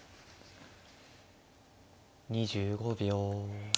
２５秒。